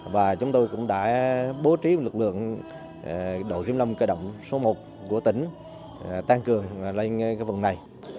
và chúng tôi cũng đã bố trí lực lượng đội kiểm lâm cơ động số một của tỉnh tăng cường lên cái vùng này